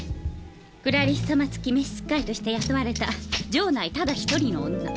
クラリス様付き召し使いとして雇われた城内ただ一人の女。